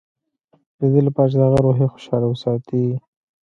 د دې لپاره چې د هغه روحيه خوشحاله وساتي.